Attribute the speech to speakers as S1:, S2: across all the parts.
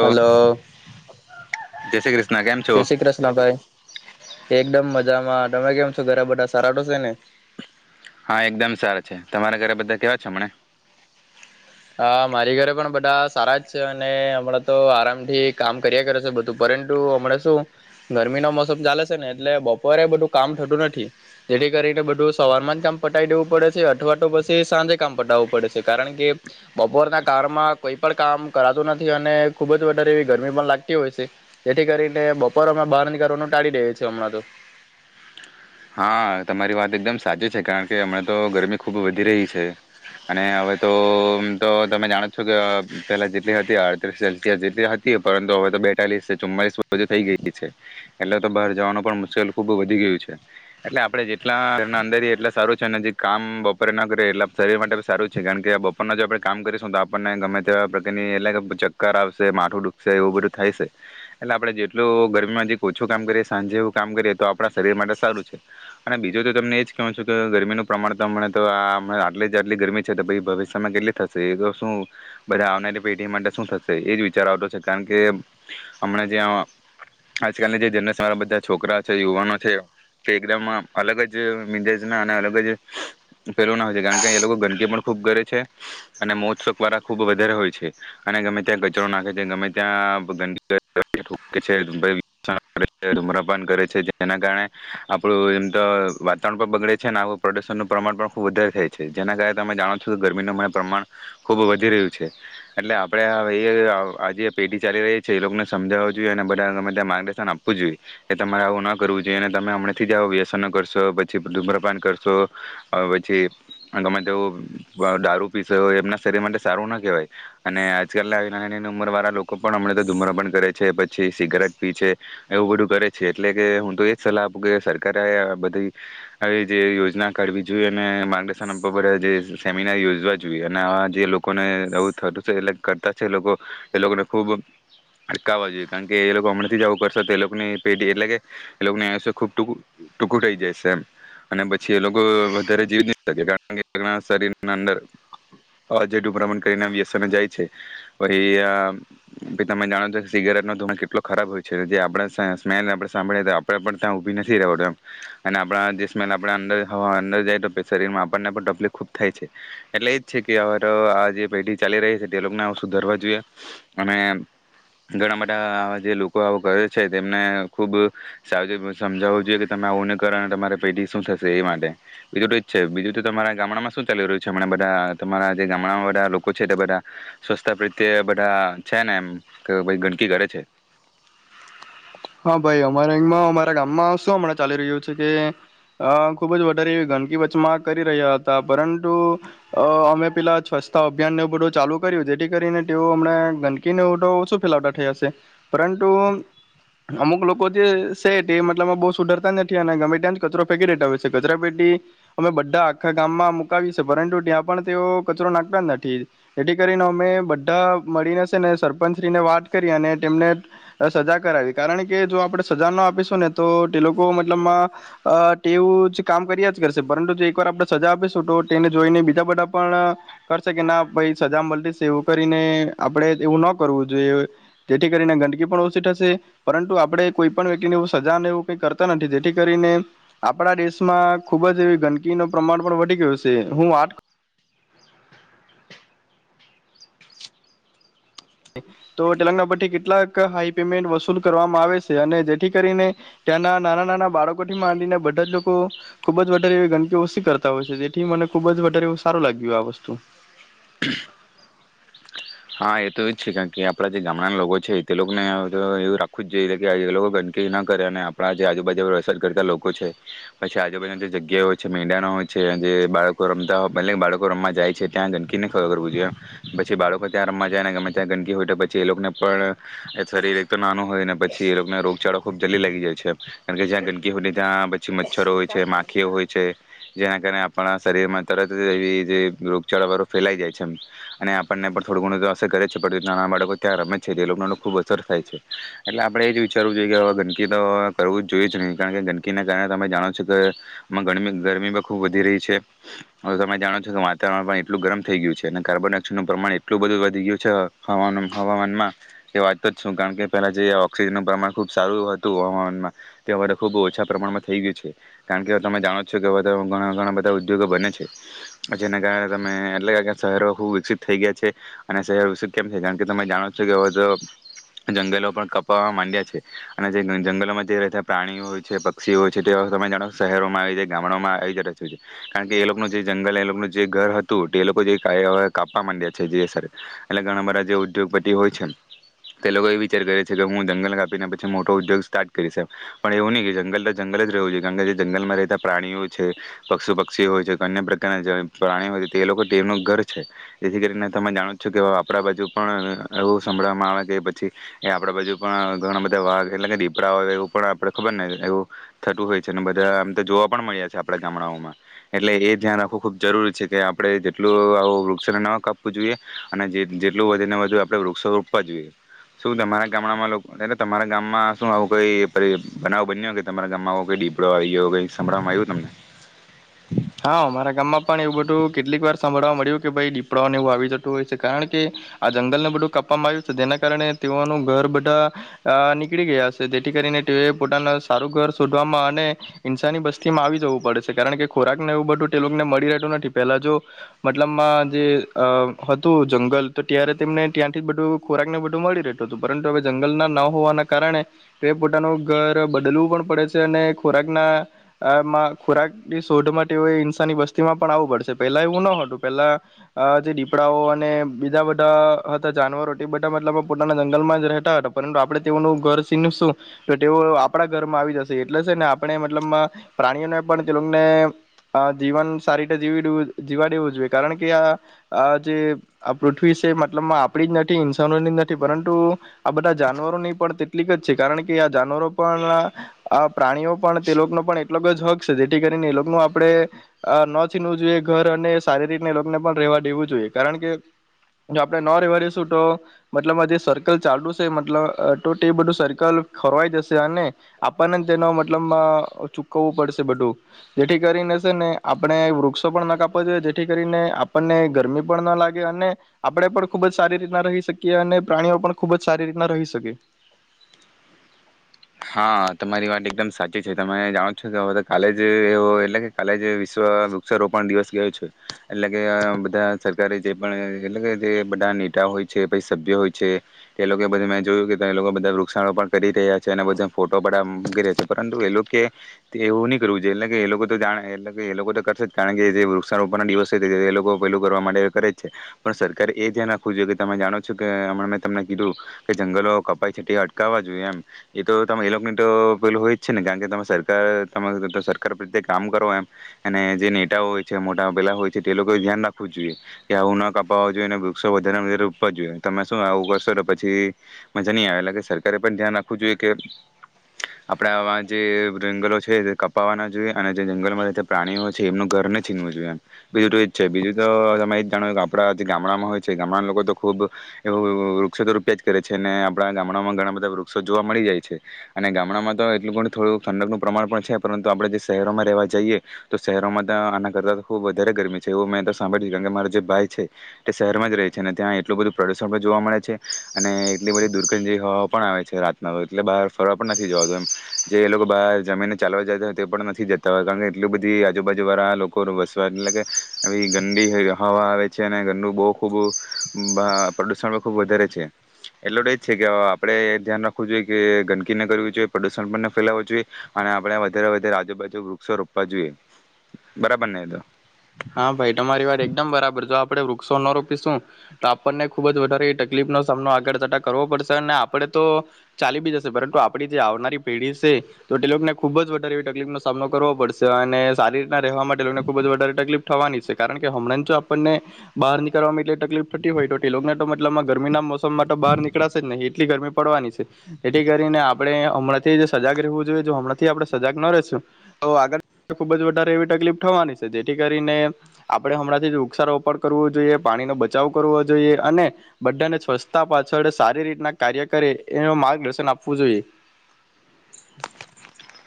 S1: Hello.
S2: જૈસે ક્રશ
S1: જે શ્રી કૃષ્ન ભાઈ. એકદમ મજામાં. તમે કેમ છો, ઘરા બધા સારા ટો છે ને?
S2: હા એકદમ સારા છે. તમારા ઘરે બધા કેવા છે, હમણે?
S1: હા, મારી ઘરે પણ બધા સારા જ છે. અને હમણાં તો આરામથી કામ કર્યા કરે છે. બધું પરંતુ હમણાં શું ગરમીનો મોસમ ચાલે છે. ને એટલે બપોરે બધું કામ થતું નથી જેથી કરીને બધું સવારમાં જ કામ પટાઈ દેવું પડે છે અથવા તો પછી સાંજે કામ પટાવવું પડે છે. કારણ કે બપોરના કાળમાં કોઈ પણ કામ કરાતું નથી અને ખુબ જ વધારે એવી ગરમી પણ લાગતી હોય છે. જેથી કરીને બપોર અમે બહાર નીકળવાનું ટાળી દેએ છીએ હમણાં તો.
S2: હા તમારી વાત એકદમ સાચી છે. કારણ કે હમણાં તો ગરમી ખૂબ વધી રહી છે. અને હવે તો તો તમે જાણો છો કે પેલા જેટલી હતી અડત્રીસ સેલ્સિયસ જેટલી હતી પરંતુ હવે તો બેતાલીસ ચુમ્માલીસધી થઈ ગઈ છે. એટલે તો બહાર જવાનું પણ મુશ્કેલ ખૂબ વધી ગયું છે. એટલે આપડણે જેટલા ઘરના અંદરએ એટલા સારું છે. અને જે કામ બપોરે ના કરીએ એટલા શરીર માટે સારું છે. કારણ કે બપોરના જો આપણે કામ કરીશું તો આપણને ગમે તેવા પ્રકારની એટલે ચક્કર આવશે માથું દુખશે એવું બધું થાય છે. એટલે આપણે જેટલું ગરમીમાં જે ઓછું કામ કરીએ સાંજે એવું કામ કરીએ તો આપણા શરીર માટે સારું છે. અને બીજું તો તમને એજ કહો છ કે ગરમીનું પ્રમાણ તેમણે તો આમ આટલીજ આટલી ગરમી છે. તો ભવિષ્યમાં કેટલી થશે એ તો શું બધા આવનારી પેઢી માટે શું થશે એજ વિચાર આવતો છે. કારણ કે હમણાં જ્યાં આજકાલની જે જનરેશન વાળ બધા છોકરા છે. યુવાનો છે તે એકદમ આમ અલગ જ મિજાજ ના અને અલગ જ પેલો ના હોય છે. કારણ કે એ લોકો ગંદકી પણ ખૂબ કરે છે. અને મોત્ક વાળા ખૂબ વધારે હોય છે. અને ગમે ત્યાં કચરો નાખે છે. ગમે ત્યાં ગંદકી [inaudible] ધુમ્રપાન કરે છે. જેના કારણે આપડું એમ તો વાતાવરણ પણ બગડે છે અને આવું પ્રદુશનનું પ્રમાણ પણ ખૂબ વધારે થાય છે. જેના કારણે તમે જાણો છો કે ગરમીનું અમને પ્રમાણ ખુબ વધી રહ્યું છે. એટલે આપણેે આ વાઇએ આ જે પેઢી ચાલી રહી છે, એ લોકોને સમજાવું જોઈએ. અને બધામે ત્યાં માર્ગદર્શન આપવું જોઈએ. કે તમારે આવું ના કરવું જોઈએ ને તમે હમણાંથીજ આવો વ્યસનો કરશો પછી ધૂમ્રપાન કરશો પછી ગમે તેવું દારૂ પીશો એમના શરીર માટે સારું ના કહેવાય. અને આજકાલના નાની નાની ઉંમર વાળા લોકો પણ હમણાં તો ધૂમ્રપાન કરે છે. પછી સિગારેટ પી છે, એવું બધું કરે છે. એટલે કે હું તો એ સલાહ આપું કે સરકારે આ બધી આવી જે યોજના કાઢવી જોઈએ અને માર્ગદર્શન આપવા પડે જે સેમિનાર યોજવા જોઈએ અને આ જે લોકોને એ થતું છે એ કરતા છે એ લોકો એ લોકોને ખુબ અટકાવવા જોઈએ કારણ કે એ લોકો હમણાં થી જવું કરશે તે લોકોની પેઢી એટલે કે એ લોગ ને એસે ખૂબ ટૂંકું ટૂંકું થઈ જાય છે એમ. અને પછી એ લોકો વધારે જીવી ન શકે કારણ શરીર અંદર અજડું ભ્રમણ કરીને વ્યસને જાય છે. તો એ આ કે તમે જાણો છો કે સિગારેટ નો ઘૂમો કેટલો ખરાબ હોય છે. જે આપડા સ્મે સ્માએલ ને આપણે સાંભળીએ તોએ ત્યાં ઉભી નથી રહેવાતું એમ અને આપણા જે સ્મેલ આપણે અંદર હવા અંદર જાય તો શરીરમાં આપણને પણ તબલીફ ખુબ થાય છે. એટલે એજ છે કે આ જે પેઢી ચાલી રહી છે તે લોકોને આવ સુધરવા જોઈએ અને ઘણા બધા આવા જે લોકો આવ કરે છે. તેમને ખુબ સાજેવ સમજાવવું જોઈએ કે તમે આવું નહીં કરણા તમારે પેટી શું થશે એ માટે બીજું તોજ છે. બીજું તો તમારા ગામડામાં શું ચાલી રહ્યું છે હમણાં બધા તમારા જે ગામડામાં બધા લોકો છે. તે બધા સ્વસ્થ પ્રત્યે બધા છે ને એમ કે પછી ગંદકી કરે છે?
S1: હા ભાઈ અમારા એમાં અમારા ગામમાં શું હમણાં ચાલી રહ્યું છે કે અહ ખુબજ વધારે ગંદકી વચમાં કરી રહ્યા હતા પરંતુ અહ અમે પેલા સ્વચ્છતા અભિયાન બધું ચાલુ કર્યું જેથી કરીને તેઓ અમણા ગંદકીને શું ફેલાવતા થયા હશે પરંતુ અમુક લોકો જે છે. તે મતલબ અ બહુ સુધરતા નથી અને ગમે ત્યાં જ કચરો ફેંકી દેતા હોય છે. કચરા પેટી અમે બધા આખા ગામમાં મુકાવ છે. પરંતુ ત્યાં પણ તેઓ કચરો નાખતા નથી. એથી કરીને અમે બધા મળીને છે ને સરપંચશ્રીને વાત કરી અને તેમને અહ સજા કરાવી કારણ કે જો આપણે સજા ના આપીશું ને તો તે લોકો મતલબમાં આહ તેવું કામ કર્યા જ કરશે પરંતુ જે એકવાર આપણે સજા આપીશું તો તેને જોઈને બીજા બધા પણ કરશે કે ના ભાઈ સજા મળતી છે એવું કરીને આપણે એવું ના કરવું જોઈએ જેથી કરીને ગંદકી પણ ઓછી થશે પરંતુ આપણે કોઈ પણ વ્યક્તિને એવું સજા એ એવું કરતા નથી જેથી કરીને આપણા દેશમાં ખૂબ જ એવી ગંદકીનું પ્રમાણ પણ વધી ગયું છે. હું વાત તો તેટેલંગ પરથી કેટલાક હાઈ પેમેન્ટ વસૂલ કરવામાં આવે છે. અને જેથી કરીને ત્યાંના નાના નાના બાળકોથી માંડીને બધા જ લોકો ખુબ જ વધારે એ ગંદકી ઓસી કરતા હોય છે. જેથી મને ખુબ જ વધારેવું સારું લાગ્યું આ વસ્તુ
S2: હા એ તો એ જ છે. કારણ કે આપણા જે ગામડાના લોકો છે તે લોકને એવ-એવું રાખવું જ જોઈએ કે એ લોકો ગંદકી ના કરે અને આપણા જે આજુબાજુ પર અસર કરતા લોકો છે. પછી આજુબાજુના જે જગ્યા હોય છે મેદાનો હોય છે જે બાળકો રમતાય એ બાળકો રમવા જાય છે ત્યાં ગંદકીને ખબર કરવું જોઈએમ પછી બાળકો ત્યાં રમવા જાય ને ગમે ત્યાં ગંદકી હોય પછી એ લોકોને પણ શરીર તો નાનું હોય ને પછી એ લોકોને રોગચાળો ખુબ જલ્દી લાગી જાય છે. કારણ કે જ્યાં ગંદકી હો ત્યાં પછી મચ્છ છરો હોય છે, માખીઓ હોય છે જેના કારણે આપણા શરીરમાં તરત એવી જે રોગચળાળ ફેલાઈ જાય છે આમ. અને આપણને પણ થોડું ઘણું તો અસર કરે જ છે. પછી નાનાં બાળકો ત્યાં રમે છે તે એ લોકોનેને ખૂબ અસર થાય છે. એટલે આપણે એ જ વિચારવું જોઈએ. કે હવે ગંદકી તો કરવું જ જોઈએ જ નહીં. કારણ કે ગંદકીના કારણે તમે જાણો છો કેમાં ગરમી ગરમી પણ ખૂબ વધી રહી છે. હવે તમે જાણો છો કે વાતાવરણ પણ એટલું ગરમ થઈ ગયું છે. અને કાર્બન ડાયોક્સાઇડનું પ્રમાણ એટલું બધું વધી ગયું છે. હ હવામાનમાં એ વાંચતો જ શું કારણ કે પહેલા જે ઓક્સિજનનું પ્રમાણ ખૂબ સારું એવું હતું. હવામાનમાં તે હવે ખૂબ ઓછા પ્રમાણમાં થઈ ગયું છે. કારણ કે તમે જાણો છો કે હવે ઘણા-ઘણા બધા ઉદ્યોગો બને છે. જેના કારણે તમે એટલે શહેરો ખૂબ વિકસિત થઈ ગયા છે અને શહેર વિશે કેમ છે કારણ કે તમે જાણો છો કે હવે તો જંગલો પણ કપવા માંડ્યા છે અને જે જંગલોમાં જે રહેતા પ્રાણીઓ છે, પક્ષીઓ છે. તે તમે જાણો શહેરોમાં આવી ગામડામાં આવી જ રહ્યું છે. કારણ કે એ લોકોનું જે જંગલ એ લોકોનું જે ઘર હતું. તે લોકો જે કાઈ કાપવા માંડ્યા એટલે ઘણા બધા જે ઉદ્યોગપતિ હોય છે ને તે લોકો એ વિચાર કરે છે કે હું જંગલ કાપીને પછી મોટો ઉદ્યોગ સ્ટાર્ટ કરીશ પણ એવું નહી કે જંગલ તો જંગલ જ રહેવું જોઈએ. કારણ કે જંગલમાં રહેતા પ્રાણીઓ છે, પક્ષુ પક્ષીઓ હોય છે, અન્ય પ્રકારના પ્રાણીઓ હોય છે તે લોકો તેનું ઘર છે જેથી કરીને મે જાણો છું. કે આપણા બાજુ પણ એવું સંભળાં માળ કે પછી એ આપણા બાજુ પણ અ ઘણા બધા વાઘ એટલે કે દીપડા હોય એવું પણ આપડણે ખબર ને એવું થતું હોય છે. અને બધા આમ તો જોવા પણ મળ્યા છે આપડા ગામડાઓમાં એટલે એ ધ્યાન રાખવું ખૂબ જરૂરી છે કે આપડણે જેટલું આવું વૃક્ષને ન કાપ વું જોઈએ અને જેટલું વધે ને વધુ આપડે વૃક્ષો રોપવા જોઈએ. શું તમારા ગામડામાં લોક તમારા ગામમાં શું આવું કઈ બનાવ બન્યો હોય કે તમારા ગામમાં આવો દીપડો આવીયોઈ સંભળમાં આવ્યું તમને?
S1: હા મારા ગામમાં પણ એવું બધું કેટલીક વાર સાંભળવા મળ્યું કે ભાઈ દીપડાઓને એવું આવી જતું હોય છે. કારણ કે આ જંગલને બધું કાપવામાં આવ્યું છે. જેના કારણે તેઓનું ઘર બધા અ નીકળી ગયા છે. જેથી કરીને તેએ પોતાનું સારું ઘર શોધવામાં અને ઇન્સાની બસ્તી માં આવી જવું પડે છે. કારણ કે ખોરાક ને એવું બધું તે લોકોને મળી રહેતું નથી. પેલા જો મતલબમાં જે અ હતું જંગલ તો ત્યારે તેમને ત્યાંથી બધું ખોરાક ને બધું મળી રહેતું હતું. પરંતુ હવે જંગલના ના હોવાના કારણે તે પોતાનું ઘર બદલવું પણ પડે છે. અને ખોરાકના આમાં ખોરાક ની શોધમાં ઇંસાની વસ્તીમાં પણ આવવું પડશે પેલા એવું ન હતું. પેલા અ જે દીપડાઓ અને બીજા બધા હતા જાનવરો તે બધા મતલબ પોતાના જંગલમાં જ રહેતા હતા. પરંતુ આપણે તેઓનું ઘર સીનું શું તો તેઓ આપણા ઘરમાં આવી જશે એટલે છે ને આપણે મતલબ પ્રાણીઓને પણ તેને લોકોને જીવન સારી રીતે જીવીવું જીવા દેવું જોઈએ કારણ કે આ જે આ પૃથ્વી છે. મતલબમાં આપણી જ નથી. ઇન્સાનોની જ નથી પરંતુ આ બધા જાનવરોની પણ તેટલીક જ છે કારણ કે આ જાનવરો પણ આ આ પ્રાણીઓ પણ તે લોકોનો પણ એટલો હક જેથી કરીને એ ન આપણે ન છીનવું જોઈએ. ઘર અને સારી રીતને એ લોકોને પણ રેવા દેવું જોઈએ. કારણ કે જો આપડણે ન રહેેવા રેશું તો મતલબ જે સર્કલ ચાલુ છે. મતલબ તો એ બધું સર્કલ ખોરવાઈ જશે અને આપણને તેનો મતલબ માં ચૂકવવું પડશે બધું જેથી કરીને છે ને આપણે વૃક્ષો પણ ના કાપવા જોઈએ જેથી કરીને આપણને ગરમી પણ ના લાગે અને આપણે પણ ખુબ જ સારી રીતના રહી શકીએ અને પ્રાણીઓ પણ ખૂબ જ સારી રીતના રહી શકે.
S2: હા તમારી વાત એકદમ સાચી છે. તમે જાણો છો કેધ કાલે જ એવો એટલે કે કાલે જ વિશ્વ વૃક્ષારોપણ દિવસ ગયો છે. એટલે કે બધા સરકારી જે પણ એટલે કે જે બધા નેતા હોય છે પ સભ્ય હોય છે. એ લોકો બધ મેં જોયું કે લોકો બધા વૃક્ષારોપણ કરી રહ્યા બધા ફોટો પડ મકી રહ્યા છે. પરંતુ એ લોકો એવું નહી કરવું જો એટલે કે એ લોકો તો જાણે એટલે કે એ લોકો તો કરશે જ કારણ કે જે વૃક્ષારોપણ ના દિવસ એ લોકો પેલું કરવા માટે કરે જ છે. પણ સરકારે એ ધ્યાન રાખવું જોઈએ કે તમે જાણો છો કેમ મેં તમને કીધું કે જંગલો કપાય છે. અટકાવવા જોઈએ એમ એ તો તમે એ લોકોને તો પેલુ હોય જ છેને કારણ કે તમે સરકાર તમે સરકાર પ્રત્યે કામ કરો એમ અને જે નેતાઓ હોય છે. મોટા પેલા હોય છે. તે એ લોકો ધ્યાન રાખવું જ જોઈએ. કે આવું ન કપાવવા જોઈએ. અનેને વૃક્ષો વધારે ને વધારે રોપવા જોઈએ. તમે શું આવું કરશો તો પછી મજા નહી આવે એટલે કે સરકારે પણ ધ્યાન રાખ વુ જોઈ કે આપડાવા જે જંગલો છે તે કપાવા ના જોઈએ અને જે જંગલોમાં પ્રાણીઓ છે એમનું ઘર ન છીનવું જોઈએ એમ બીજું તો જ છે બીજું તો તમે એ જ જાણો કે આપડા જે ગામડામાં હોય છે ગામડાના લોકો તો ખુબ એવું વૃક્ષતો રૂપિયા જ કરે છે ને આપણા ગામડામાં ઘણા બધા વૃ ક્ષો જોવા મળી જાય છે અને ગામડામાં તો એટલું ઘણુંથોડું ઠંકનું પ્રમાણ પણ છે પરંતુ આપણે જે શહેરોમાં રહેવા જઈએ તો શહેરોમાં તો આના કરતાં ખૂબ વધારે ગરમી છે એવું મેં તો સાંભળી કારણ કે મારા જે ભાઈ છે તે શહેરમાં જ રહે છે અને ત્યાં એટલું બધું પ્રદુષણ પણ જોવા મળે છે અને એટલી બધી દુર્કનજીવી હવાઓ પણ આવે છે રાતના એટલે બહાર ફરવા પણ નથી જવાતો એમ જે એ લોકો બહાર જમીનને ચાલવા જતા હોય તે પણ નથી જતા હોય કારણ કે એટલી બધી આજુબાજુ વાળા લોકો વસવા એટલે કે આવી ગંદી હવા આવે છે અને ગંદુ બહુ ખૂબ અ પ્રદુષણ પણ ખૂબ વધારે છે એટલો તો એજ છે કે આપણે ધ્યાન રાખવું જોઈએ કે ગંદકી ન કરવી જોઈએ પ્રદુષણ પણ ન ફેલાવું જોઈએ અને આપણે વધારે વધારે આજુબાજુ વૃક્ષો રોપવા જોઈએ બરાબર ને એ તો?
S1: હા ભાઈ તમારી વાત એકદમ બરાબર જો આપડણે વૃક્ષો ન રોપીશું તો આપણને ખુબ જ વધારે એવી તકલીફ નો સામનો આગળ કરતા કરવો પડશે અને આપડે તો ચાલી બી જશે પરંતુ આપડી જે આવનારી પેઢી છે તો તેલોકને ખુબ જ વધારે એવી તકલીફ નો સામનો કરવો પડશે અને સારી રીતના રહેવાવામાં તે લોકોને ખુબ જ વધારે તકલીફ થવાની છે કારણ કે હમણાં તો આપણને બહાર નીકળવામાં એટલી તકલીફ થતી હોય તે લોકને તો મતલબમાં ગરમીના મોસમ માટે તો બહાર નીકળશે જ નહી એટલી ગરમી પડવાની છે જેથી કરીને આપણે હમણાંથી જે સજાગ રહેવું જોઈએ હમણાંથી આપણે સજાગ ન રેશું તો આગળ ખુબ જ વધારે એવી તકલીફ થવાની છે જેથી કરી કરીને આપણે હમણાંથી વૃક્ષારોપડ કરવું જોઈએ પાણીનો બચાવ કરવો જોઈએ અને બધાને સ્વચ્છતા પાછળ સારી રીતના કાર્ય કરે એનું માર્ગદર્શન આપવું જોઈએ.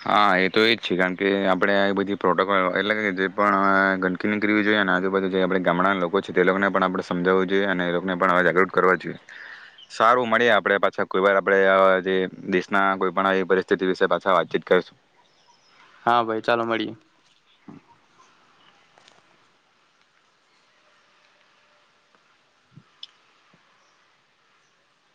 S2: હા એ તો એજ છે કારણ કે આપડે આ બધી પ્રોટોકોલ એટલે જે પણ ગંદકીની કરવી જોઈએ અને આજુબાજુ જે આપણે ગામડા લોકો છે તે લોકોને પણ આપે સમજાવવું જોઈએ અને એ લોકોને પણ જાગૃત કરવા જોઈએ. સારું મળે આપડે પાછા કોઈ વાર આપે આ જે દેશના કોઈ પણ આવી પરિસ્થિતિ વિશે પાછા વાતચીત કરશું.
S1: હા ભાઈ ચાલો મળીએ.